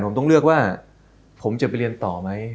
ผมต้องเลือกว่าผมจะไปเรียนต่อไหม